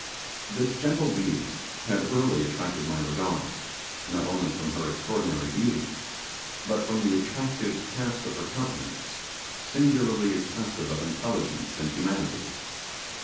This gentle being had early attracted my regard, not only from her extraordinary beauty, but from the attractive cast of her countenance, singularly expressive of intelligence and humanity.